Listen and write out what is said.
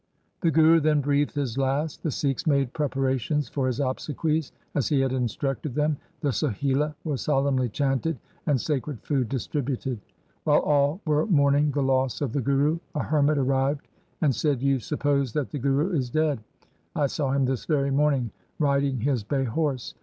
1 The Guru then breathed his last. The Sikhs made preparations for his obsequies as he had instructed them, the Sohila was solemnly chanted, and sacred food distributed. While all were mourning the loss of the Guru a hermit arrived and said, ' You suppose that the Guru is dead. I saw him this very morning riding his bay horse.